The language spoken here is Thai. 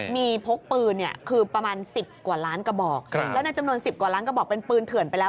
มีพกปืนเนี่ยคือประมาณ๑๐กว่าล้านกระบอกแล้วในจำนวน๑๐กว่าล้านกระบอกเป็นปืนเถื่อนไปแล้ว